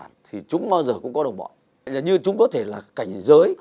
nhưng trường hợp này là sự thay đổi